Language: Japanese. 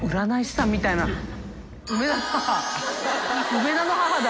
梅田の母だ。